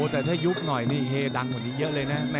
แต่ถ้ายุบหน่อยก็เฮดังในเยอะเลยนะ